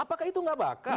apakah itu gak bakat